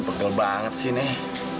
pegel banget sih nih